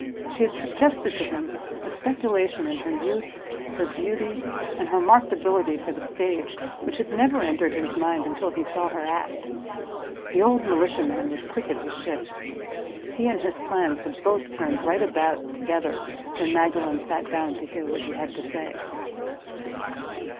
She had suggested to him a speculation in her youth, her beauty, and her marked ability for the stage, which had never entered his mind until he saw her act. The old militia man was quick at his shifts. He and his plans had both turned right about together when Magdalen sat down to hear what he had to say.